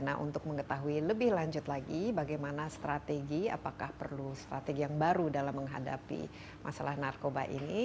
nah untuk mengetahui lebih lanjut lagi bagaimana strategi apakah perlu strategi yang baru dalam menghadapi masalah narkoba ini